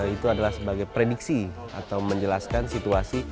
itu adalah sebagai prediksi atau menjelaskan situasi